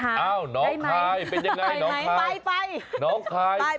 อ้าวน้องคายเป็นยังไงน้องคาย